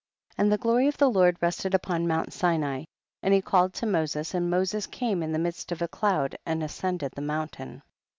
8. And the glory of the Lord rest ed upon mount Sinai, and he called to Moses, and Moses came in the midst of a cloud and ascended the mountain.